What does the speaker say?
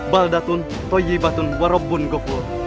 tidak heran yang di atas langit membukakan berkahnya